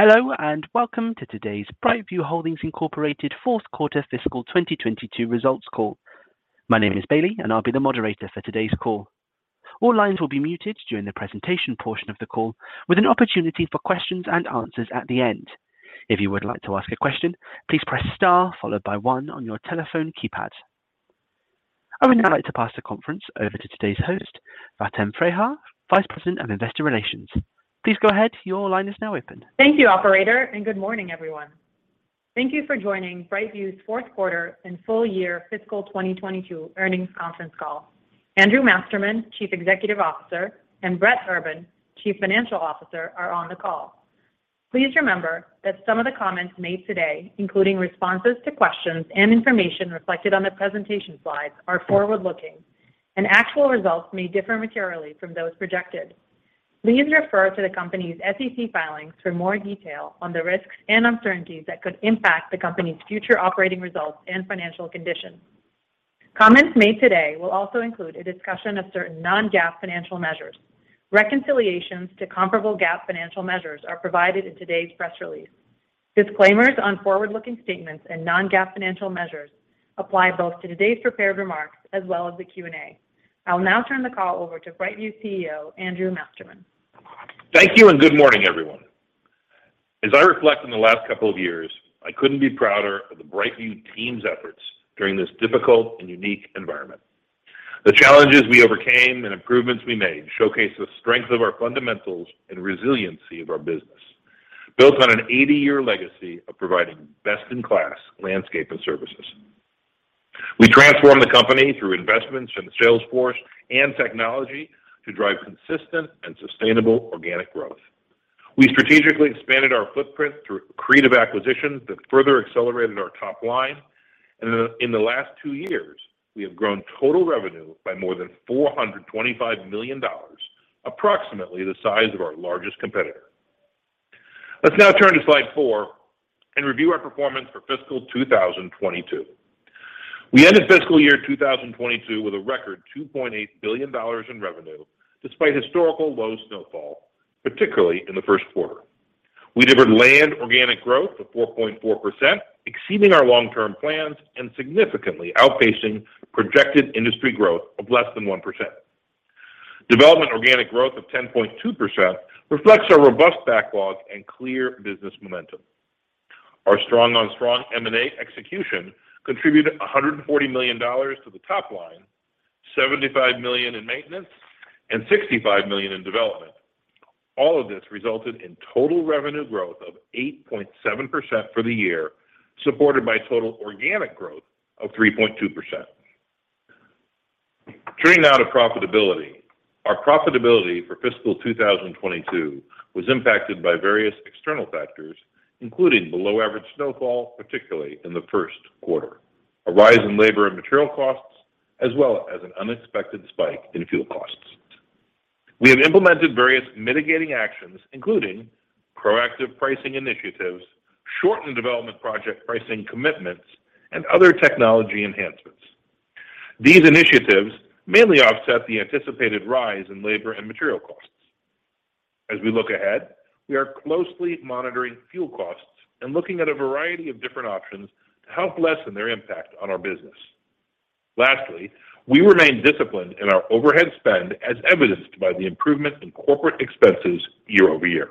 Hello and welcome to today's BrightView Holdings, Incorporated fourth quarter fiscal 2022 results call. My name is Bailey, and I'll be the moderator for today's call. All lines will be muted during the presentation portion of the call, with an opportunity for questions and answers at the end. If you would like to ask a question, please press star followed by one on your telephone keypad. I would now like to pass the conference over to today's host, Faten Freiha, Vice President of Investor Relations. Please go ahead, your line is now open. Thank you, operator, and good morning, everyone. Thank you for joining BrightView's fourth quarter and full year fiscal 2022 earnings conference call. Andrew Masterman, Chief Executive Officer, and Brett Urban, Chief Financial Officer, are on the call. Please remember that some of the comments made today, including responses to questions and information reflected on the presentation slides, are forward-looking, and actual results may differ materially from those projected. Please refer to the company's SEC filings for more detail on the risks and uncertainties that could impact the company's future operating results and financial conditions. Comments made today will also include a discussion of certain non-GAAP financial measures. Reconciliations to comparable GAAP financial measures are provided in today's press release. Disclaimers on forward-looking statements and non-GAAP financial measures apply both to today's prepared remarks as well as the Q&A. I'll now turn the call over to BrightView CEO, Andrew Masterman. Thank you and good morning, everyone. As I reflect on the last couple of years, I couldn't be prouder of the BrightView team's efforts during this difficult and unique environment. The challenges we overcame and improvements we made showcase the strength of our fundamentals and resiliency of our business, built on an eighty-year legacy of providing best-in-class landscape and services. We transformed the company through investments in the sales force and technology to drive consistent and sustainable organic growth. We strategically expanded our footprint through creative acquisitions that further accelerated our top line. And i-in the last two years, we have grown total revenue by more than four hundred and twenty-five million dollars, approximately the size of our largest competitor. Let's now turn to slide four and review our performance for fiscal 2022. We ended fiscal year 2022 with a record $2.8 billion in revenue despite historical low snowfall, particularly in the first quarter. We delivered Landscape organic growth of 4.4%, exceeding our long-term plans and significantly outpacing projected industry growth of less than 1%. Development organic growth of 10.2% reflects our robust backlog and clear business momentum. Our strong M&A execution contributed $140 million to the top line, $75 million in maintenance, and $65 million in development. All of this resulted in total revenue growth of 8.7% for the year, supported by total organic growth of 3.2%. Turning now to profitability. Our profitability for fiscal 2022 was impacted by various external factors, including below-average snowfall, particularly in the first quarter, a rise in labor and material costs, as well as an unexpected spike in fuel costs. We have implemented various mitigating actions, including proactive pricing initiatives, shortened development project pricing commitments, and other technology enhancements. These initiatives mainly offset the anticipated rise in labor and material costs. As we look ahead, we are closely monitoring fuel costs and looking at a variety of different options to help lessen their impact on our business. Lastly, we remain disciplined in our overhead spend as evidenced by the improvement in corporate expenses year-over-year.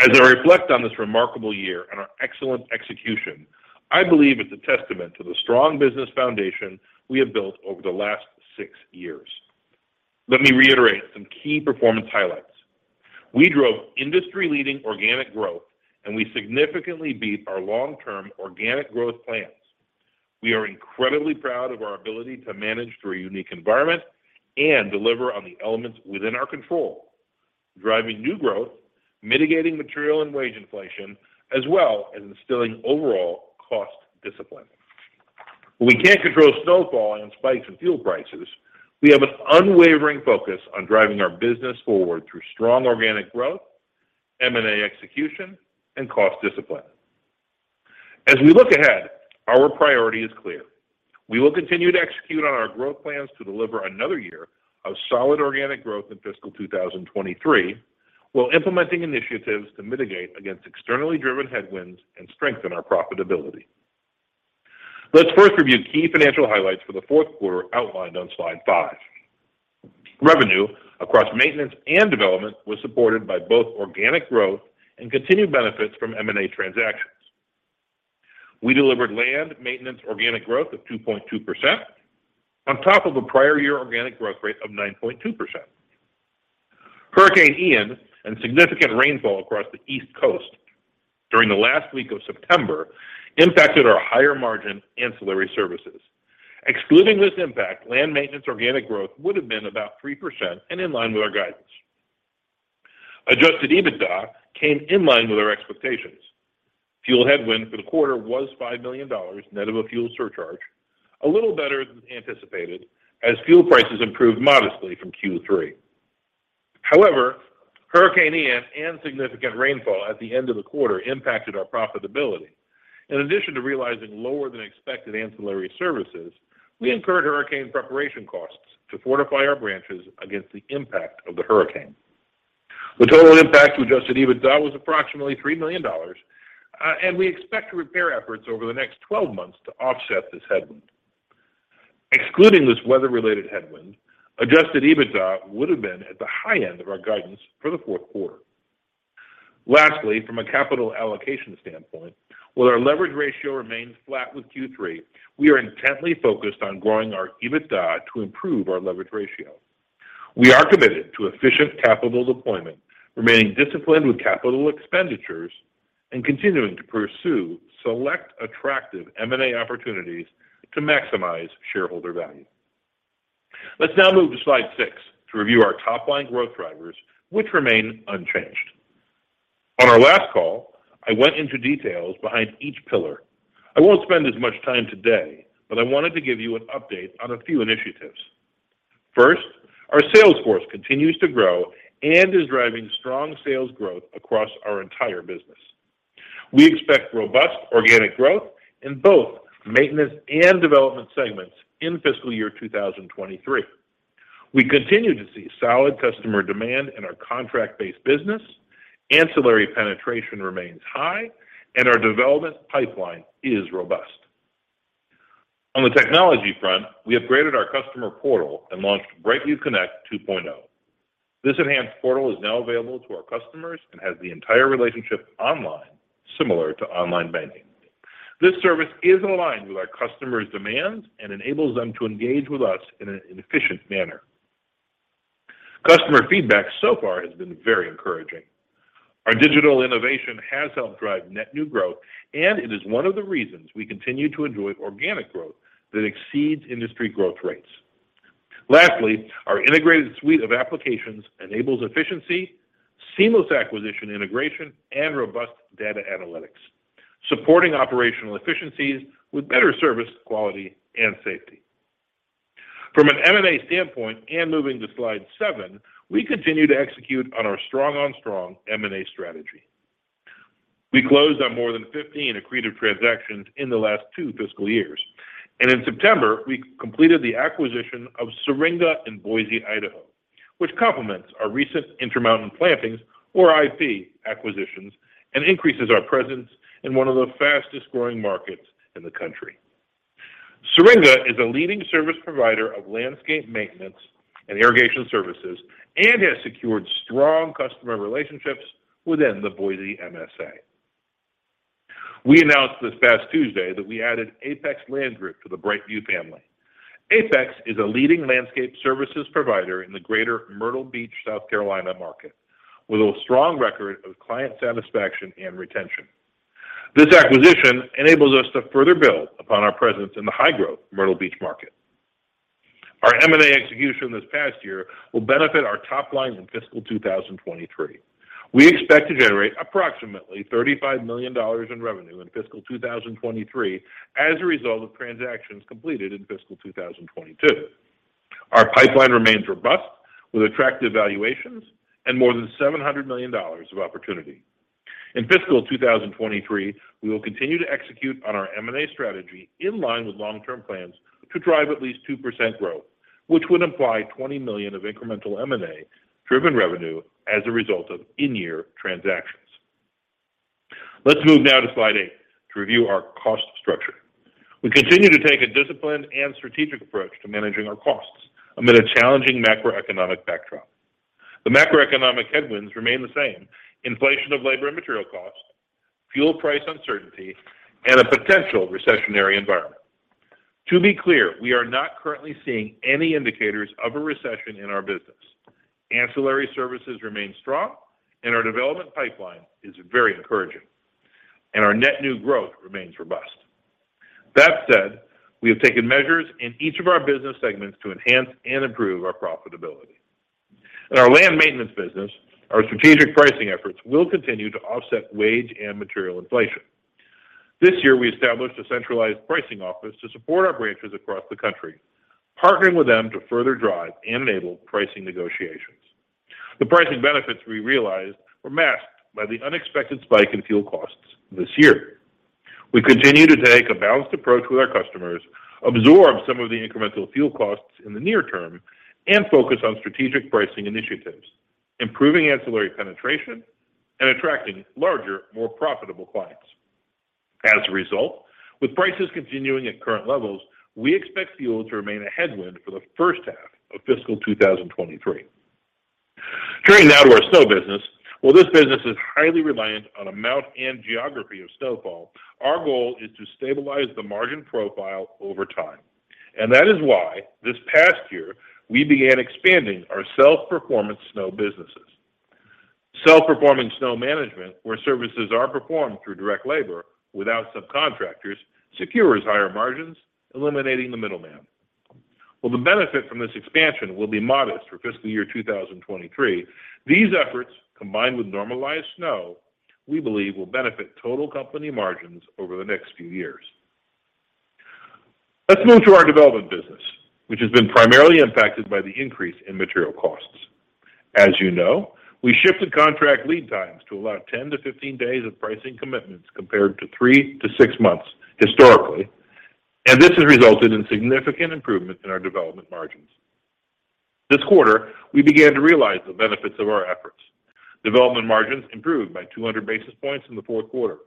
As I reflect on this remarkable year and our excellent execution, I believe it's a testament to the strong business foundation we have built over the last six years. Let me reiterate some key performance highlights. We drove industry-leading organic growth, and we significantly beat our long-term organic growth plans. We are incredibly proud of our ability to manage through a unique environment and deliver on the elements within our control, driving new growth, mitigating material and wage inflation, as well as instilling overall cost discipline. While we can't control snowfall and spikes in fuel prices, we have an unwavering focus on driving our business forward through strong organic growth, M&A execution, and cost discipline. As we look ahead, our priority is clear. We will continue to execute on our growth plans to deliver another year of solid organic growth in fiscal 2023, while implementing initiatives to mitigate against externally driven headwinds and strengthen our profitability. Let's first review key financial highlights for the fourth quarter outlined on Slide 5. Revenue across Maintenance and Development was supported by both organic growth and continued benefits from M&A transactions. We delivered Land Maintenance organic growth of 2.2% on top of a prior-year organic growth rate of 9.2%. Hurricane Ian and significant rainfall across the East Coast during the last week of September impacted our higher-margin ancillary services. Excluding this impact, Land Maintenance organic growth would have been about 3% and in line with our guidance. Adjusted EBITDA came in line with our expectations. Fuel headwind for the quarter was $5 million net of a fuel surcharge, a little better than anticipated as fuel prices improved modestly from Q3. However, Hurricane Ian and significant rainfall at the end of the quarter impacted our profitability. In addition to realizing lower than expected ancillary services, we incurred hurricane preparation costs to fortify our branches against the impact of the hurricane. The total impact to Adjusted EBITDA was approximately $3 million, and we expect the repair efforts over the next 12 months to offset this headwind. Excluding this weather-related headwind, Adjusted EBITDA would have been at the high end of our guidance for the fourth quarter. Lastly, from a capital allocation standpoint, while our leverage ratio remains flat with Q3, we are intently focused on growing our EBITDA to improve our leverage ratio. We are committed to efficient capital deployment, remaining disciplined with capital expenditures, and continuing to pursue select attractive M&A opportunities to maximize shareholder value. Let's now move to Slide 6 to review our top-line growth drivers, which remain unchanged. On our last call, I went into details behind each pillar. I won't spend as much time today, but I wanted to give you an update on a few initiatives. First, our sales force continues to grow and is driving strong sales growth across our entire business. We expect robust organic growth in both Maintenance and Development segments in fiscal year 2023. We continue to see solid customer demand in our contract-based business. Ancillary penetration remains high, and our development pipeline is robust. On the technology front, we upgraded our customer portal and launched BrightView Connect 2.0. This enhanced portal is now available to our customers and has the entire relationship online, similar to online banking. This service is aligned with our customers' demands and enables them to engage with us in an efficient manner. Customer feedback so far has been very encouraging. Our digital innovation has helped drive net new growth, and it is one of the reasons we continue to enjoy organic growth that exceeds industry growth rates. Lastly, our integrated suite of applications enables efficiency, seamless acquisition integration, and robust data analytics, supporting operational efficiencies with better service quality and safety. From an M&A standpoint and moving to slide seven, we continue to execute on our strong M&A strategy. We closed on more than 15 accretive transactions in the last two fiscal years. In September, we completed the acquisition of Syringa in Boise, Idaho, which complements our recent Intermountain Plantings, or IP, acquisitions and increases our presence in one of the fastest-growing markets in the country. Syringa is a leading service provider of landscape maintenance and irrigation services and has secured strong customer relationships within the Boise MSA. We announced this past Tuesday that we added Apex Land Group to the BrightView family. Apex is a leading landscape services provider in the Greater Myrtle Beach, South Carolina market, with a strong record of client satisfaction and retention. This acquisition enables us to further build upon our presence in the high-growth Myrtle Beach market. Our M&A execution this past year will benefit our top line in fiscal 2023. We expect to generate approximately $35 million in revenue in fiscal 2023 as a result of transactions completed in fiscal 2022. Our pipeline remains robust with attractive valuations and more than $700 million of opportunity. In fiscal 2023, we will continue to execute on our M&A strategy in line with long-term plans to drive at least 2% growth, which would imply $20 million of incremental M&A-driven revenue as a result of in-year transactions. Let's move now to slide 8 to review our cost structure. We continue to take a disciplined and strategic approach to managing our costs amid a challenging macroeconomic backdrop. The macroeconomic headwinds remain the same, inflation of labor and material costs, fuel price uncertainty, and a potential recessionary environment. To be clear, we are not currently seeing any indicators of a recession in our business. Ancillary services remain strong, and our development pipeline is very encouraging, and our net new growth remains robust. That said, we have taken measures in each of our business segments to enhance and improve our profitability. In our Landscape Maintenance business, our strategic pricing efforts will continue to offset wage and material inflation. This year, we established a centralized pricing office to support our branches across the country, partnering with them to further drive and enable pricing negotiations. The pricing benefits we realized were masked by the unexpected spike in fuel costs this year. We continue to take a balanced approach with our customers, absorb some of the incremental fuel costs in the near term, and focus on strategic pricing initiatives, improving ancillary penetration and attracting larger, more profitable clients. As a result, with prices continuing at current levels, we expect fuel to remain a headwind for the first half of fiscal 2023. Turning now to our snow business. While this business is highly reliant on amount and geography of snowfall, our goal is to stabilize the margin profile over time. That is why this past year we began expanding our self-performance snow businesses. Self-performing snow management, where services are performed through direct labor without subcontractors, secures higher margins, eliminating the middleman. While the benefit from this expansion will be modest for fiscal year 2023, these efforts, combined with normalized snow, we believe will benefit total company margins over the next few years. Let's move to our development business, which has been primarily impacted by the increase in material costs. As you know, we shifted contract lead times to allow 10-15 days of pricing commitments compared to three-six months historically, and this has resulted in significant improvement in our development margins. This quarter, we began to realize the benefits of our efforts. Development margins improved by 200 basis points in the fourth quarter.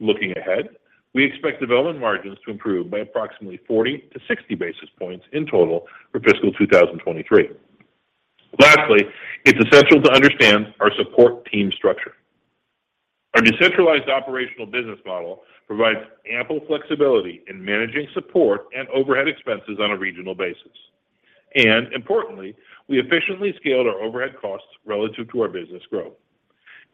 Looking ahead, we expect Development margins to improve by approximately 40 basis points-60 basis points in total for fiscal 2023. Lastly, it's essential to understand our support team structure. Our decentralized operational business model provides ample flexibility in managing support and overhead expenses on a regional basis. Importantly, we efficiently scaled our overhead costs relative to our business growth.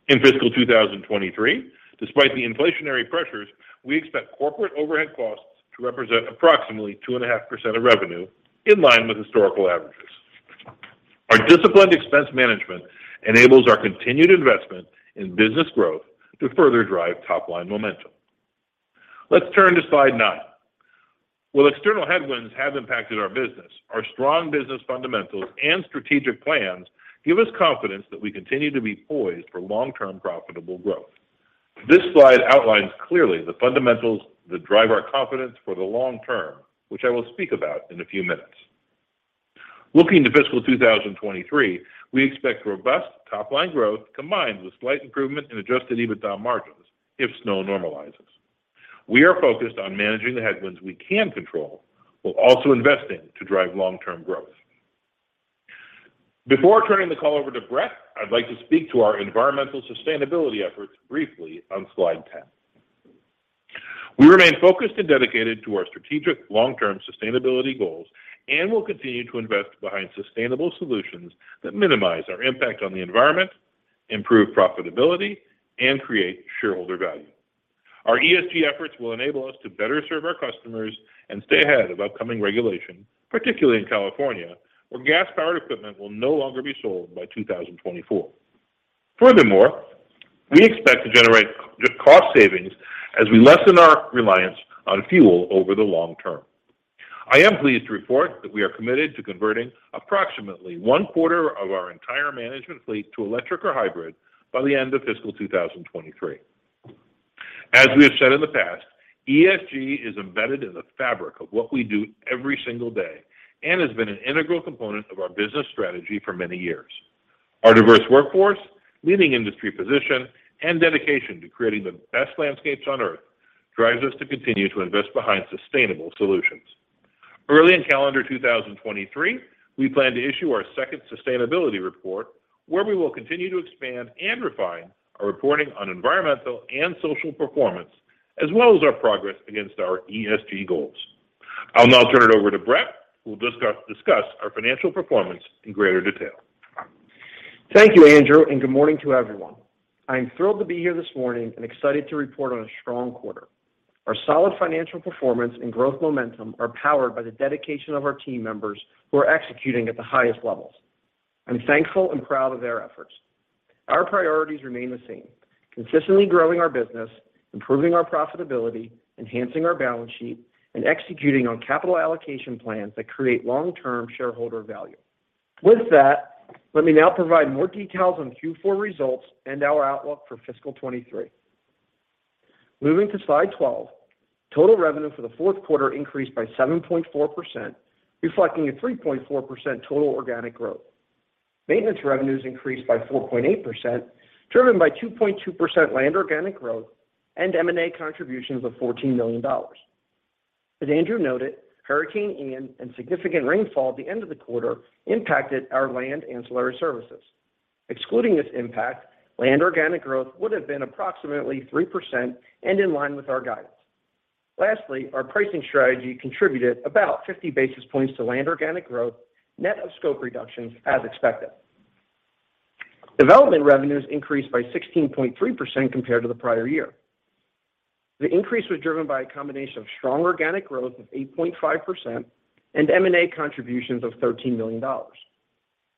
In fiscal 2023, despite the inflationary pressures, we expect corporate overhead costs to represent approximately 2.5% of revenue in line with historical averages. Our disciplined expense management enables our continued investment in business growth to further drive top-line momentum. Let's turn to slide nine. While external headwinds have impacted our business, our strong business fundamentals and strategic plans give us confidence that we continue to be poised for long-term profitable growth. This slide outlines clearly the fundamentals that drive our confidence for the long term, which I will speak about in a few minutes. Looking to fiscal 2023, we expect robust top-line growth combined with slight improvement in Adjusted EBITDA margins if snow normalizes. We are focused on managing the headwinds we can control while also investing to drive long-term growth. Before turning the call over to Brett, I'd like to speak to our environmental sustainability efforts briefly on slide 10. We remain focused and dedicated to our strategic long-term sustainability goals and will continue to invest behind sustainable solutions that minimize our impact on the environment, improve profitability, and create shareholder value. Our ESG efforts will enable us to better serve our customers and stay ahead of upcoming regulation, particularly in California, where gas-powered equipment will no longer be sold by 2024. Furthermore, we expect to generate cost savings as we lessen our reliance on fuel over the long term. I am pleased to report that we are committed to converting approximately 1/4 of our entire management fleet to electric or hybrid by the end of fiscal 2023. As we have said in the past, ESG is embedded in the fabric of what we do every single day and has been an integral component of our business strategy for many years. Our diverse workforce, leading industry position, and dedication to creating the best landscapes on Earth drives us to continue to invest behind sustainable solutions. Early in calendar 2023, we plan to issue our second sustainability report, where we will continue to expand and refine our reporting on environmental and social performance, as well as our progress against our ESG goals. I'll now turn it over to Brett, who will discuss our financial performance in greater detail. Thank you, Andrew, and good morning to everyone. I'm thrilled to be here this morning and excited to report on a strong quarter. Our solid financial performance and growth momentum are powered by the dedication of our team members who are executing at the highest levels. I'm thankful and proud of their efforts. Our priorities remain the same, consistently growing our business, improving our profitability, enhancing our balance sheet, and executing on capital allocation plans that create long-term shareholder value. With that, let me now provide more details on Q4 results and our outlook for fiscal 2023. Moving to Slide 12, total revenue for the fourth quarter increased by 7.4%, reflecting a 3.4% total organic growth. Maintenance revenues increased by 4.8%, driven by 2.2% land organic growth and M&A contributions of $14 million. As Andrew noted, Hurricane Ian and significant rainfall at the end of the quarter impacted our Maintenance ancillary services. Excluding this impact, Maintenance organic growth would have been approximately 3% and in line with our guidance. Lastly, our pricing strategy contributed about 50 basis points to Maintenance organic growth, net of scope reductions as expected. Development revenues increased by 16.3% compared to the prior year. The increase was driven by a combination of strong organic growth of 8.5% and M&A contributions of $13 million.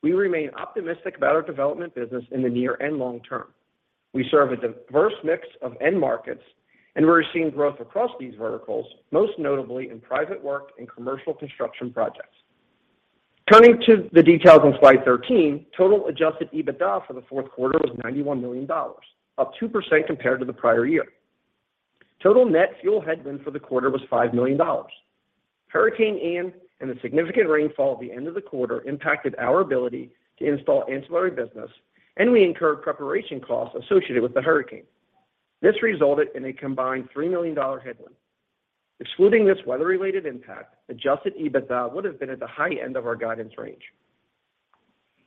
We remain optimistic about our Development business in the near and long term. We serve a diverse mix of end markets, and we're seeing growth across these verticals, most notably in private work and commercial construction projects. Turning to the details on Slide 13, total Adjusted EBITDA for the fourth quarter was $91 million, up 2% compared to the prior year. Total net fuel headwind for the quarter was $5 million. Hurricane Ian and the significant rainfall at the end of the quarter impacted our ability to install ancillary business, and we incurred preparation costs associated with the hurricane. This resulted in a combined $3 million headwind. Excluding this weather-related impact, Adjusted EBITDA would have been at the high end of our guidance range.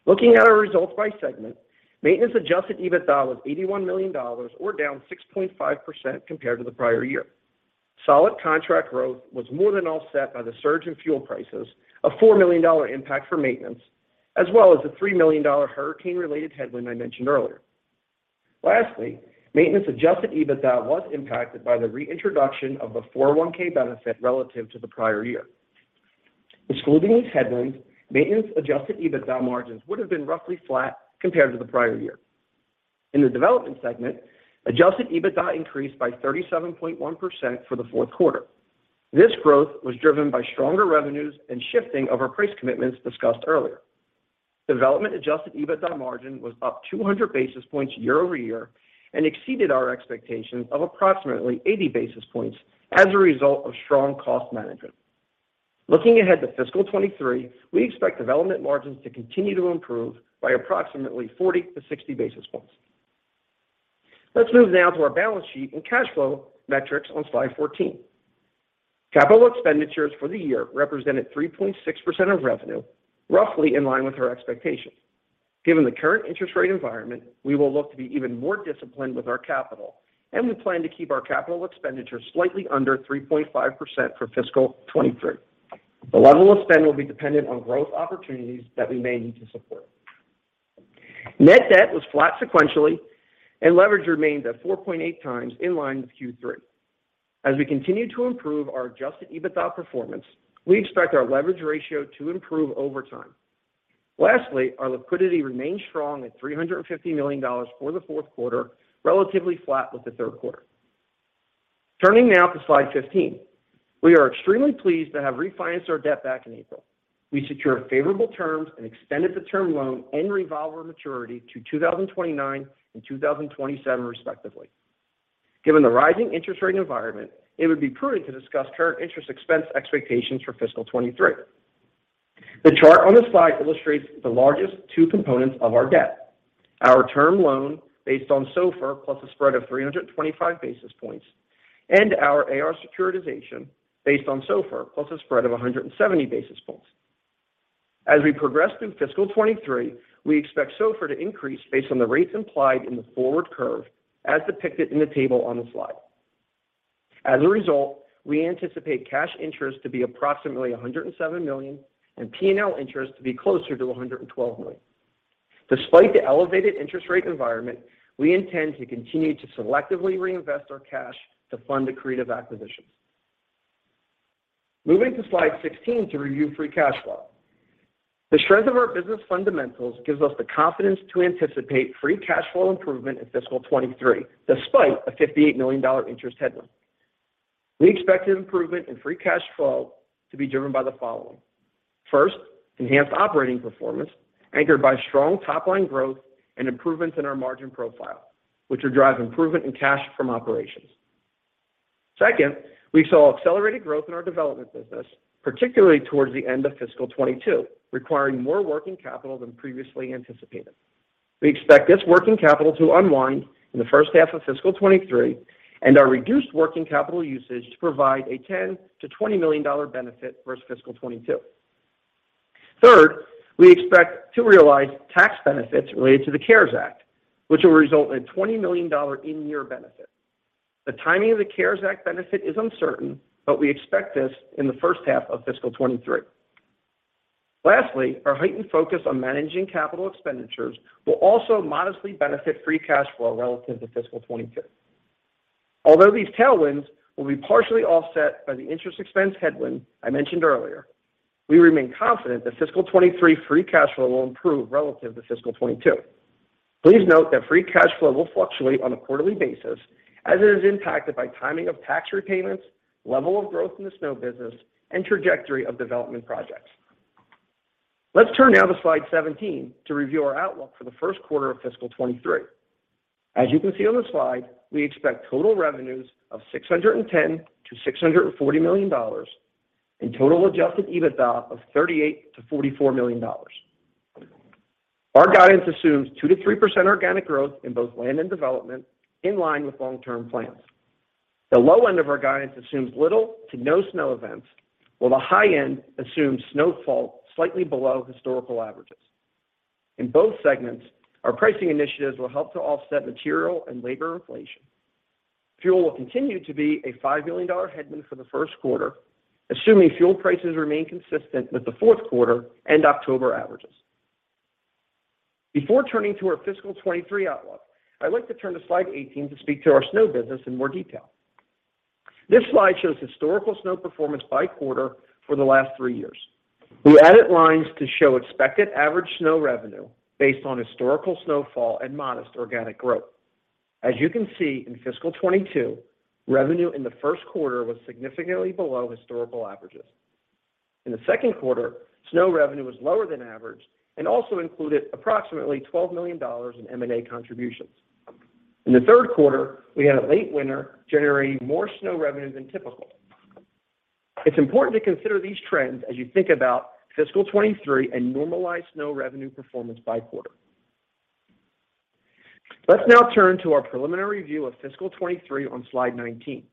Looking at our results by segment, Maintenance Adjusted EBITDA was $81 million or down 6.5% compared to the prior year. Solid contract growth was more than offset by the surge in fuel prices of $4 million impact for maintenance, as well as a $3 million hurricane-related headwind I mentioned earlier. Lastly, Maintenance Adjusted EBITDA was impacted by the reintroduction of the 401 benefit relative to the prior year. Excluding these headwinds, Maintenance Adjusted EBITDA margins would have been roughly flat compared to the prior year. In the Development segment, Adjusted EBITDA increased by 37.1% for the fourth quarter. This growth was driven by stronger revenues and shifting of our price commitments discussed earlier. Development Adjusted EBITDA margin was up 200 basis points year-over-year and exceeded our expectations of approximately 80 basis points as a result of strong cost management. Looking ahead to fiscal 2023, we expect Development margins to continue to improve by approximately 40 basis points-60 basis points. Let's move now to our balance sheet and cash flow metrics on Slide 14. Capital expenditures for the year represented 3.6% of revenue, roughly in line with our expectations. Given the current interest rate environment, we will look to be even more disciplined with our capital, and we plan to keep our capital expenditures slightly under 3.5% for fiscal 2023. The level of spend will be dependent on growth opportunities that we may need to support. Net debt was flat sequentially and leverage remains at 4.8x in line with Q3. As we continue to improve our Adjusted EBITDA performance, we expect our leverage ratio to improve over time. Lastly, our liquidity remains strong at $350 million for the fourth quarter, relatively flat with the third quarter. Turning now to Slide 15. We are extremely pleased to have refinanced our debt back in April. We secured favorable terms and extended the term loan and revolver maturity to 2029 and 2027 respectively. Given the rising interest rate environment, it would be prudent to discuss current interest expense expectations for fiscal 2023. The chart on this slide illustrates the largest two components of our debt. Our term loan based on SOFR plus a spread of 325 basis points, and our A.R. securitization based on SOFR plus a spread of 170 basis points. As we progress through fiscal 2023, we expect SOFR to increase based on the rates implied in the forward curve as depicted in the table on the slide. As a result, we anticipate cash interest to be approximately $107 million and P&L interest to be closer to $112 million. Despite the elevated interest rate environment, we intend to continue to selectively reinvest our cash to fund accretive acquisitions. Moving to Slide 16 to review free cash flow. The strength of our business fundamentals gives us the confidence to anticipate free cash flow improvement in fiscal 2023, despite a $58 million interest headwind. We expect an improvement in free cash flow to be driven by the following. First, enhanced operating performance anchored by strong top-line growth and improvements in our margin profile, which will drive improvement in cash from operations. Second, we saw accelerated growth in our development business, particularly towards the end of fiscal 2022, requiring more working capital than previously anticipated. We expect this working capital to unwind in the first half of fiscal 2023 and our reduced working capital usage to provide a $10 million-$20 million benefit versus fiscal 2022. Third, we expect to realize tax benefits related to the CARES Act, which will result in a $20 million in-year benefit. The timing of the CARES Act benefit is uncertain, but we expect this in the first half of fiscal 2023. Lastly, our heightened focus on managing capital expenditures will also modestly benefit free cash flow relative to fiscal 2022. Although these tailwinds will be partially offset by the interest expense headwind I mentioned earlier, we remain confident that fiscal 2023 free cash flow will improve relative to fiscal 2022. Please note that free cash flow will fluctuate on a quarterly basis as it is impacted by timing of tax repayments, level of growth in the snow business, and trajectory of development projects. Let's turn now to Slide 17 to review our outlook for the first quarter of fiscal 2023. As you can see on the slide, we expect total revenues of $610 million-$640 million and total Adjusted EBITDA of $38 million-$44 million. Our guidance assumes 2%-3% organic growth in both land and development in line with long-term plans. The low end of our guidance assumes little to no snow events, while the high end assumes snowfall slightly below historical averages. In both segments, our pricing initiatives will help to offset material and labor inflation. Fuel will continue to be a $5 million headwind for the first quarter, assuming fuel prices remain consistent with the fourth quarter and October averages. Before turning to our fiscal 2023 outlook, I'd like to turn to slide 18 to speak to our snow business in more detail. This slide shows historical snow performance by quarter for the last three years. We added lines to show expected average snow revenue based on historical snowfall and modest organic growth. As you can see in fiscal 2022, revenue in the first quarter was significantly below historical averages. In the second quarter, snow revenue was lower than average and also included approximately $12 million in M&A contributions. In the third quarter, we had a late winter generating more snow revenue than typical. It's important to consider these trends as you think about fiscal 2023 and normalized snow revenue performance by quarter. Let's now turn to our preliminary review of fiscal 2023 on Slide 19.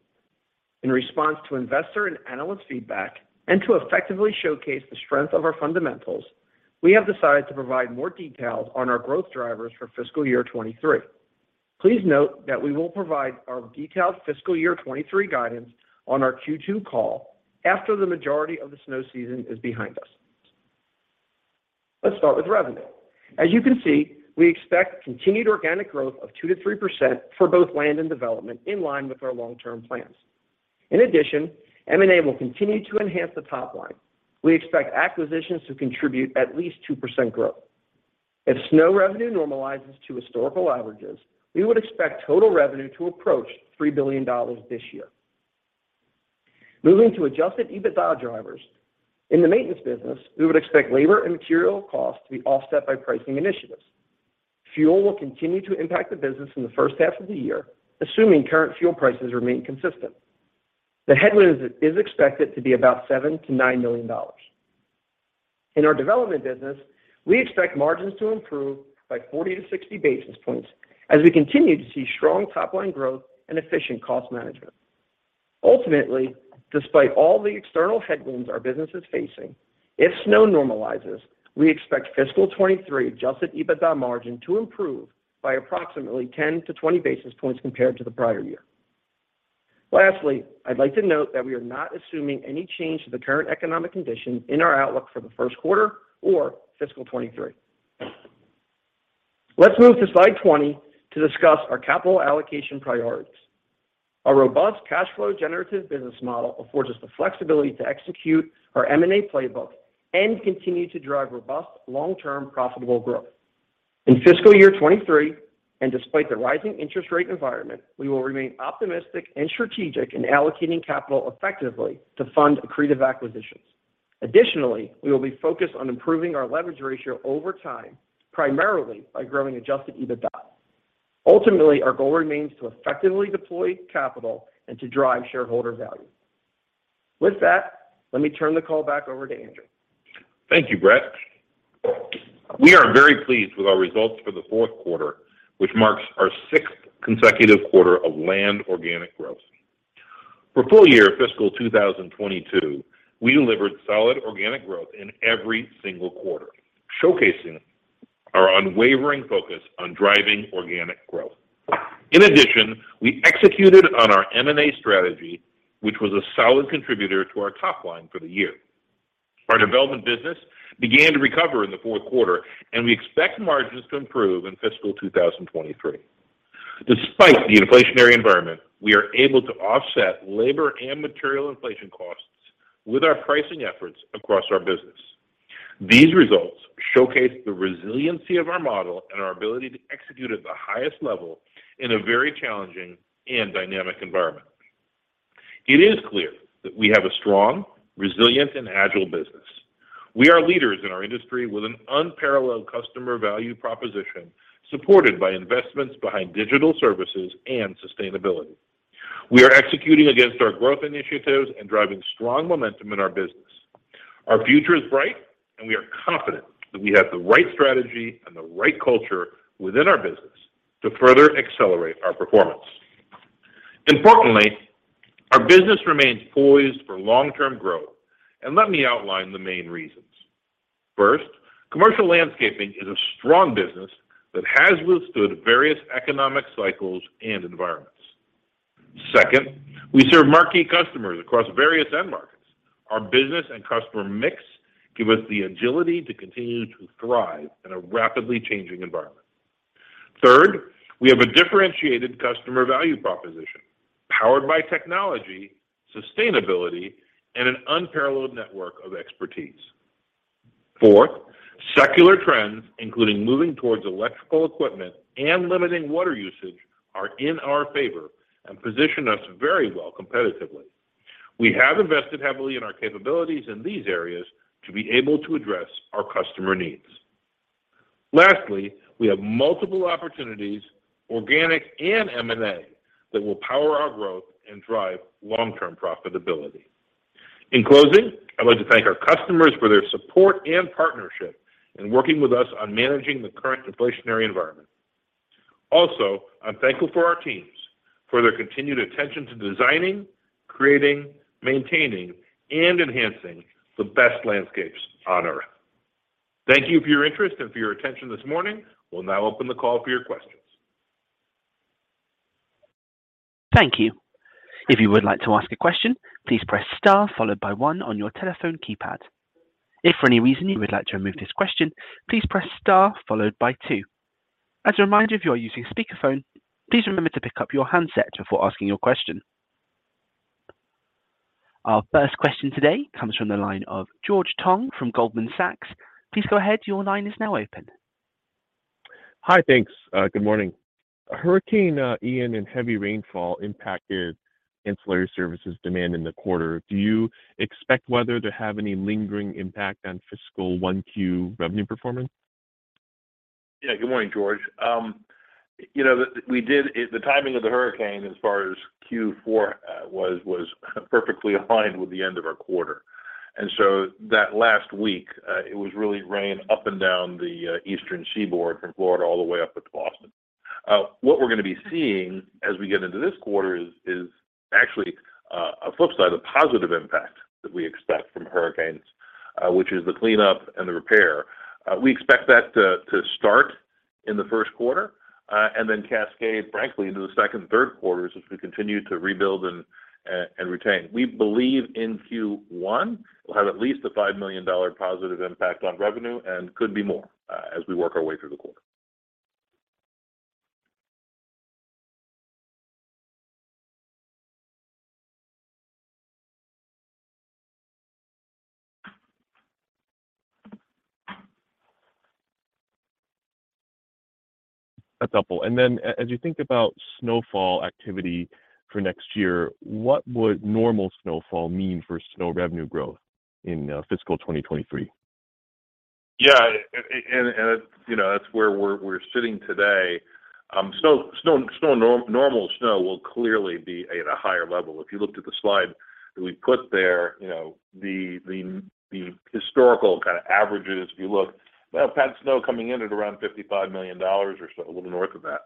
In response to investor and analyst feedback and to effectively showcase the strength of our fundamentals, we have decided to provide more details on our growth drivers for fiscal year 2023. Please note that we will provide our detailed fiscal year 2023 guidance on our Q2 call after the majority of the snow season is behind us. Let's start with revenue. As you can see, we expect continued organic growth of 2%-3% for both land and development in line with our long-term plans. In addition, M&A will continue to enhance the top line. We expect acquisitions to contribute at least 2% growth. If snow revenue normalizes to historical averages, we would expect total revenue to approach $3 billion this year. Moving to Adjusted EBITDA drivers. In the maintenance business, we would expect labor and material costs to be offset by pricing initiatives. Fuel will continue to impact the business in the first half of the year, assuming current fuel prices remain consistent. The headwind is expected to be about $7 million-$9 million. In our development business, we expect margins to improve by 40 basis points-60 basis points as we continue to see strong top-line growth and efficient cost management. Ultimately, despite all the external headwinds our business is facing, if snow normalizes, we expect fiscal 2023 Adjusted EBITDA margin to improve by approximately 10 basis points-20 basis points compared to the prior year. Lastly, I'd like to note that we are not assuming any change to the current economic condition in our outlook for the first quarter or fiscal 2023. Let's move to slide 20 to discuss our capital allocation priorities. A robust cash-flow-generative business model affords us the flexibility to execute our M&A playbook and continue to drive robust long-term profitable growth. In fiscal year 2023, and despite the rising interest rate environment, we will remain optimistic and strategic in allocating capital effectively to fund accretive acquisitions. Additionally, we will be focused on improving our leverage ratio over time, primarily by growing Adjusted EBITDA. Ultimately, our goal remains to effectively deploy capital and to drive shareholder value. With that, let me turn the call back over to Andrew. Thank you, Brett. We are very pleased with our results for the fourth quarter, which marks our sixth consecutive quarter of Landscape organic growth. For full year fiscal 2022, we delivered solid organic growth in every single quarter, showcasing our unwavering focus on driving organic growth. In addition, we executed on our M&A strategy, which was a solid contributor to our top line for the year. Our development business began to recover in the fourth quarter, and we expect margins to improve in fiscal 2023. Despite the inflationary environment, we are able to offset labor and material inflation costs with our pricing efforts across our business. These results showcase the resiliency of our model and our ability to execute at the highest level in a very challenging and dynamic environment. It is clear that we have a strong, resilient, and agile business. We are leaders in our industry with an unparalleled customer value proposition supported by investments behind digital services and sustainability. We are executing against our growth initiatives and driving strong momentum in our business. Our future is bright and we are confident that we have the right strategy and the right culture within our business to further accelerate our performance. Importantly, our business remains poised for long-term growth, and let me outline the main reasons. First, commercial landscaping is a strong business that has withstood various economic cycles and environments. Second, we serve marquee customers across various end markets. Our business and customer mix give us the agility to continue to thrive in a rapidly changing environment. Third, we have a differentiated customer value proposition powered by technology, sustainability, and an unparalleled network of expertise. Fourth, secular trends, including moving towards electrical equipment and limiting water usage, are in our favor and position us very well competitively. We have invested heavily in our capabilities in these areas to be able to address our customer needs. Lastly, we have multiple opportunities, organic and M&A, that will power our growth and drive long-term profitability. In closing, I'd like to thank our customers for their support and partnership in working with us on managing the current inflationary environment. Also, I'm thankful for our teams for their continued attention to designing, creating, maintaining, and enhancing the best landscapes on Earth. Thank you for your interest and for your attention this morning. We'll now open the call for your questions. Thank you. If you would like to ask a question, please press star followed by one on your telephone keypad. If for any reason you would like to remove this question, please press star followed by two. As a reminder, if you are using speakerphone, please remember to pick up your handset before asking your question. Our first question today comes from the line of George Tong from Goldman Sachs. Please go ahead. Your line is now open. Hi. Thanks. Good morning. Hurricane Ian and heavy rainfall impacted ancillary services demand in the quarter. Do you expect weather to have any lingering impact on fiscal 1Q revenue performance? Yeah. Good morning, George. You know, the timing of the hurricane as far as Q4 was perfectly aligned with the end of our quarter. That last week, it was really rain up and down the Eastern Seaboard from Florida all the way up to Boston. What we're gonna be seeing as we get into this quarter is actually a flip side, a positive impact that we expect from hurricanes, which is the cleanup and the repair. We expect that to start in the first quarter and then cascade frankly into the second and third quarters as we continue to rebuild and retain. We believe in Q1 we'll have at least a $5 million positive impact on revenue and could be more as we work our way through the quarter. That's helpful. As you think about snowfall activity for next year, what would normal snowfall mean for snow revenue growth in fiscal 2023? Yeah, it's, you know, that's where we're sitting today. Snow, normal snow will clearly be at a higher level. If you looked at the slide that we put there, you know, the historical kind of averages, if you look, we have had snow coming in at around $55 million or so, a little north of that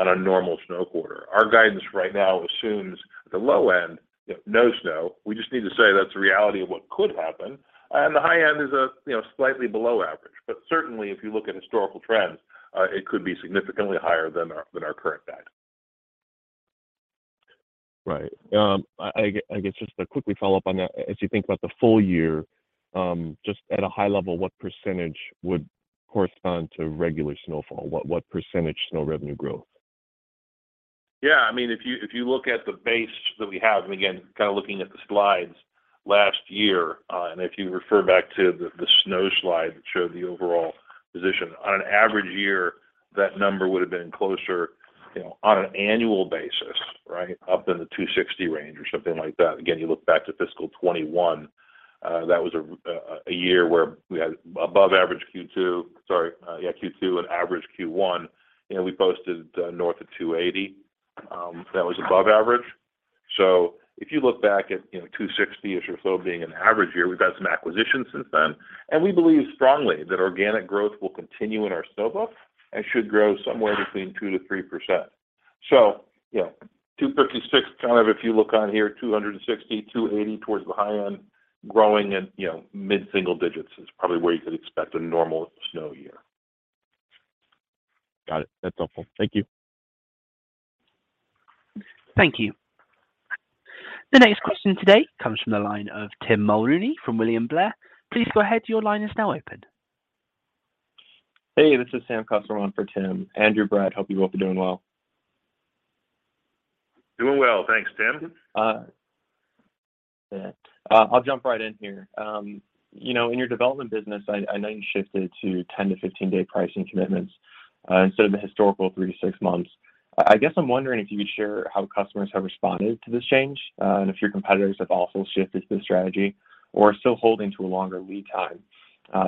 on a normal snow quarter. Our guidance right now assumes at the low end, you know, no snow. We just need to say that's the reality of what could happen, and the high end is a, you know, slightly below average. Certainly if you look at historical trends, it could be significantly higher than our current guide. Right. I guess just to quickly follow up on that, as you think about the full year, just at a high level, what % would correspond to regular snowfall? What % snow revenue growth? Yeah. I mean, if you look at the base that we have, and again, kind of looking at the slides last year, and if you refer back to the snow slide that showed the overall position. On an average year, that number would've been closer, you know, on an annual basis, right? Up in the $260 range or something like that. Again, you look back to fiscal 2021, that was a year where we had above average Q2 and average Q1. You know, we posted north of $280, that was above average. If you look back at, you know, $260-ish or so being an average year, we've had some acquisitions since then. We believe strongly that organic growth will continue in our snow book and should grow somewhere between 2%-3%. Yeah, $256, kind of if you look on here, $260-$280 towards the high end, growing at, you know, mid-single digits is probably where you could expect a normal snow year. Got it. That's helpful. Thank you. Thank you. The next question today comes from the line of Tim Mulrooney from William Blair. Please go ahead. Your line is now open. Hey, this is Sam Kusswurm for Tim. Andrew, Brett, hope you both are doing well. Doing well. Thanks. Tim? Yeah. I'll jump right in here. You know, in your development business, I know you shifted to 10-15 day pricing commitments instead of the historical three-six months. I guess I'm wondering if you could share how customers have responded to this change and if your competitors have also shifted this strategy or are still holding to a longer lead time.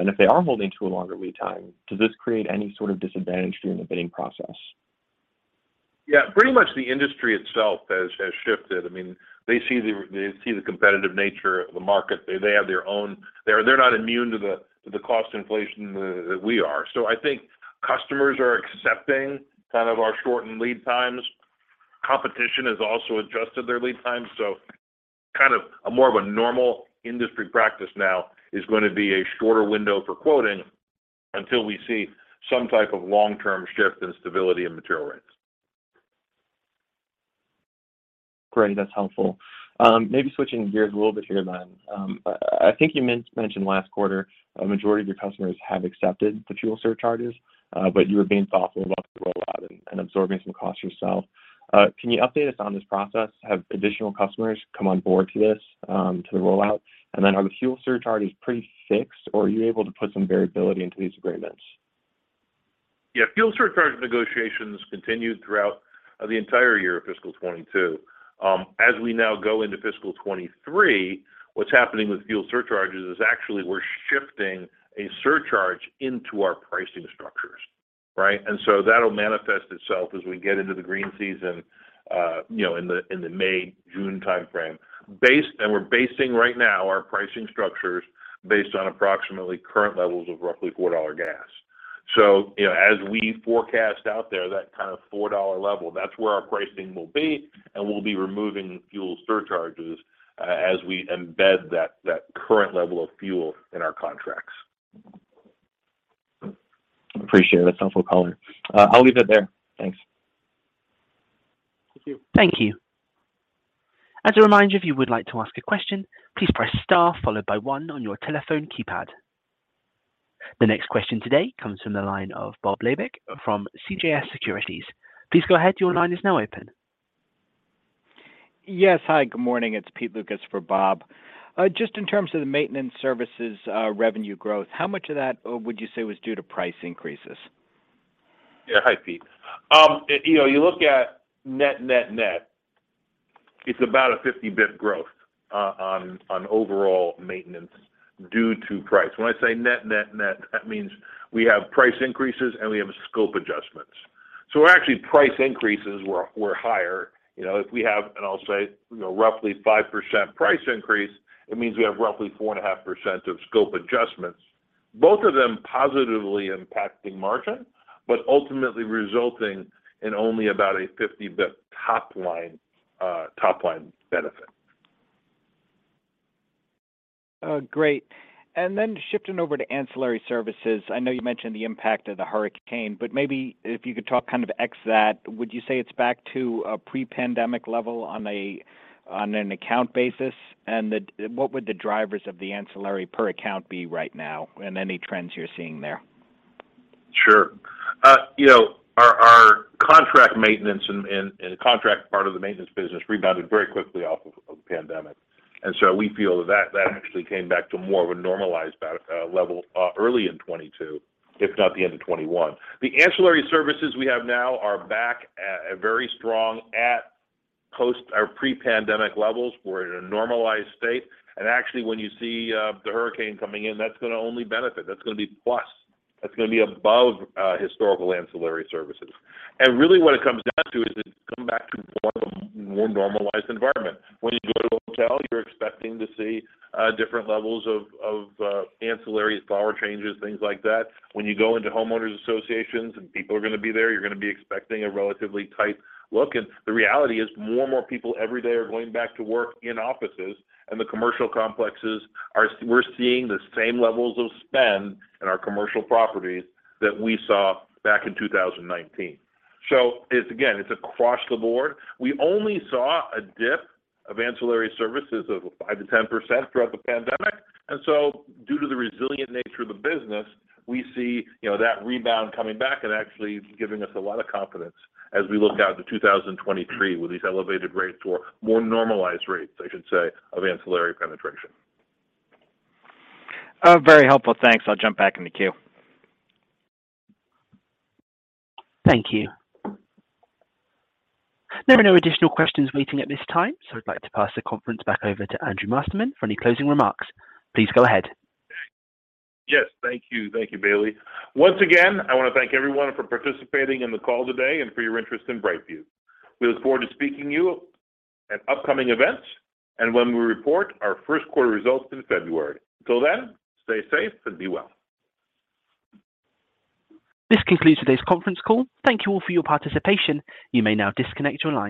If they are holding to a longer lead time, does this create any sort of disadvantage during the bidding process? Yeah. Pretty much the industry itself has shifted. I mean, they see the competitive nature of the market. They're not immune to the cost inflation that we are. I think customers are accepting kind of our shortened lead times. Competition has also adjusted their lead times, so kind of a more of a normal industry practice now is gonna be a shorter window for quoting until we see some type of long-term shift in stability in material rates. Great. That's helpful. Maybe switching gears a little bit here then. I think you mentioned last quarter a majority of your customers have accepted fuel surcharges, but you were being thoughtful about the rollout and absorbing some costs yourself. Can you update us on this process? Have additional customers come on board to the rollout? Are the fuel surcharges pretty fixed or are you able to put some variability into these agreements? Yeah. Fuel surcharge negotiations continued throughout the entire year of fiscal 2022. As we now go into fiscal 2023, what's happening with fuel surcharges is actually we're shifting a surcharge into our pricing structures, right? That'll manifest itself as we get into the green season, you know, in the May-June timeframe. We're basing right now our pricing structures based on approximately current levels of roughly $4 gas. You know, as we forecast out there, that kind of $4 level, that's where our pricing will be, and we'll be removing fuel surcharges as we embed that current level of fuel in our contracts. Appreciate it. That's helpful color. I'll leave it there. Thanks. Thank you. Thank you. As a reminder, if you would like to ask a question, please press star followed by one on your telephone keypad. The next question today comes from the line of Bob Labick from CJS Securities. Please go ahead. Your line is now open. Yes. Hi. Good morning. It's Pete Lucas for Bob. Just in terms of the maintenance services revenue growth, how much of that would you say was due to price increases? Yeah. Hi, Pete. You know, you look at net net net, it's about a 50 bip growth on overall maintenance due to price. When I say net net net, that means we have price increases and we have scope adjustments. Actually price increases were higher. You know, if we have, and I'll say, you know, roughly 5% price increase, it means we have roughly 4.5% of scope adjustments. Both of them positively impacting margin, but ultimately resulting in only about a 50 bip top-line benefit. Great. Shifting over to ancillary services, I know you mentioned the impact of the hurricane, but maybe if you could talk kind of ex that, would you say it's back to a pre-pandemic level on an account basis? What would the drivers of the ancillary per account be right now, and any trends you're seeing there? Sure. You know, our contract maintenance and contract part of the maintenance business rebounded very quickly off of the pandemic. We feel that that actually came back to more of a normalized level early in 2022, if not the end of 2021. The ancillary services we have now are back at very strong post or pre-pandemic levels. We're in a normalized state. Actually, when you see the hurricane coming in, that's gonna only benefit. That's gonna be plus. That's gonna be above historical ancillary services. Really what it comes down to is it's come back to a more normalized environment. When you go to a hotel, you're expecting to see different levels of ancillary flower changes, things like that. When you go into homeowners associations and people are gonna be there, you're gonna be expecting a relatively tight look. The reality is more and more people every day are going back to work in offices and the commercial complexes. We're seeing the same levels of spend in our commercial properties that we saw back in 2019. It's, again, across the board. We only saw a dip of ancillary services of 5%-10% throughout the pandemic. Due to the resilient nature of the business, we see, you know, that rebound coming back and actually giving us a lot of confidence as we look out to 2023 with these elevated rates or more normalized rates, I should say, of ancillary penetration. Very helpful, thanks. I'll jump back in the queue. Thank you. There are no additional questions waiting at this time. I'd like to pass the conference back over to Andrew Masterman for any closing remarks. Please go ahead. Yes, thank you. Thank you, Bailey. Once again, I wanna thank everyone for participating in the call today and for your interest in BrightView. We look forward to speaking to you at upcoming events and when we report our first quarter results in February. Until then, stay safe and be well. This concludes today's conference call. Thank you all for your participation. You may now disconnect your lines.